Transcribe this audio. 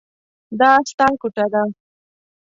دا ستا کوټه ده.